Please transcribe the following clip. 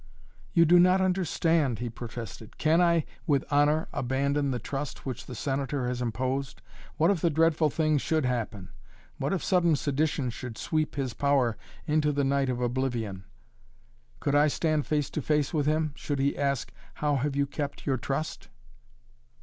"You do not understand!" he protested. "Can I with honor abandon the trust which the Senator has imposed? What if the dreadful thing should happen? What if sudden sedition should sweep his power into the night of oblivion? Could I stand face to face with him, should he ask: 'How have you kept your trust?'"